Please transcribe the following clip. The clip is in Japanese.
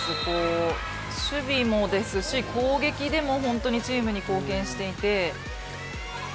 守備もですし、攻撃でも本当にチームに貢献していて。